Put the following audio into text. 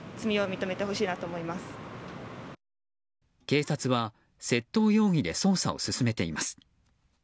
警察は窃盗容疑で捜査を進めています。